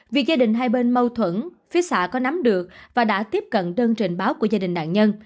việc gia đình hai bên mâu thuẫn phía xạ có nắm được và đã tiếp cận đơn trình báo của gia đình nạn nhân